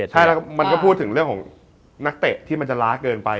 ใช่แล้วมันก็พูดถึงเรื่องของนักเตะที่มันจะล้าเกินไป